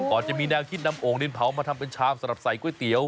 จะมีแนวคิดนำโอ่งดินเผามาทำเป็นชามสำหรับใส่ก๋วยเตี๋ยว